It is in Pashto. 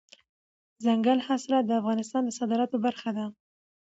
دځنګل حاصلات د افغانستان د صادراتو برخه ده.